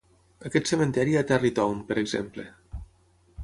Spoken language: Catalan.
Aquest cementiri a Tarrytown, per exemple.